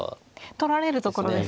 取られるところですからね。